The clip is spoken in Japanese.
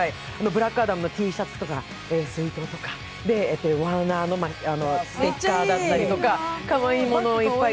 「ブラックアダム」のＴシャツとか水筒とかワーナーのステッカーだったりとかかわいいものがいっぱい。